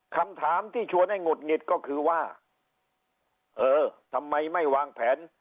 คำถามที่ชวนให้หงุดหงิดก็คือว่าเออทำไมไม่วางแผน